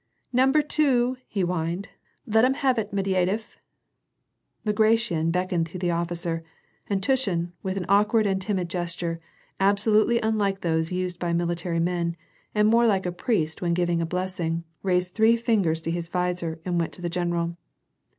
" Number two !" he whined. " Let 'em have it, Medvyedef !" Bagration beckoned to the officer, and Tushin, with an awk ward and timid gesture, absolutely unlike those used by mili tary men, and more like a priest when giving a blessing, raised three fingers to his visor and went to the general.